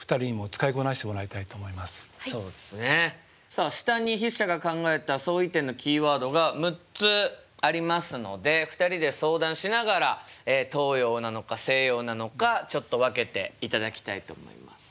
さあ下に筆者が考えた相違点のキーワードが６つありますので２人で相談しながら東洋なのか西洋なのかちょっと分けていただきたいと思います。